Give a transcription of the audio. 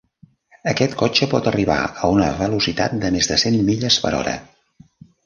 Aquest cotxe pot arribar a una velocitat de més de cent milles per hora.